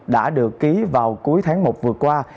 đã được ký vào cuối tháng một vừa qua